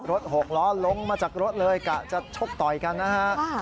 หกล้อลงมาจากรถเลยกะจะชกต่อยกันนะฮะ